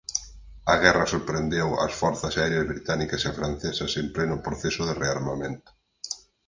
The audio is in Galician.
A guerra sorprendeu as forzas aéreas británicas e francesas en pleno proceso de rearmamento.